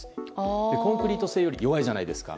コンクリート製より弱いじゃないですか。